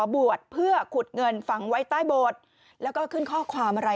บวชเพื่อขุดเงินฝังไว้ใต้โบสถ์แล้วก็ขึ้นข้อความอะไร